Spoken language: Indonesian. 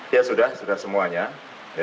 ya sudah sudah semuanya